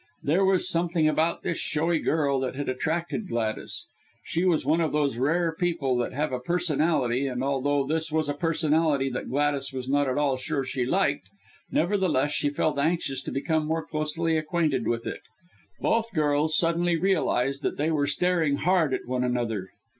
There was something about this showy girl that had attracted Gladys. She was one of those rare people that have a personality, and although this was a personality that Gladys was not at all sure she liked, nevertheless she felt anxious to become more closely acquainted with it. Both girls suddenly realized that they were staring hard at one another.